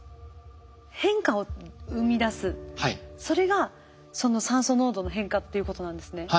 それがその酸素濃度の変化っていうことなんですね。